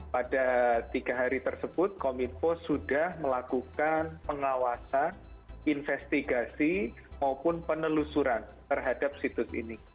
pada tiga hari tersebut kominfo sudah melakukan pengawasan investigasi maupun penelusuran terhadap situs ini